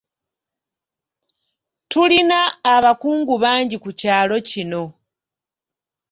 Tulina abakungu bangi ku kyalo kino.